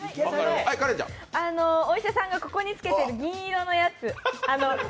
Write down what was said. お医者さんがここにつけている銀色のやつ。